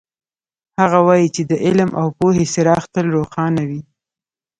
هغه وایي چې د علم او پوهې څراغ تل روښانه وي